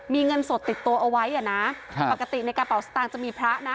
มีเงินสดติดตัวเอาไว้อ่ะนะปกติในกระเป๋าสตางค์จะมีพระนะ